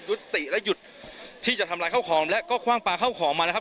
ยุติและหยุดที่จะทำลายข้าวของและก็คว่างปลาเข้าของมานะครับ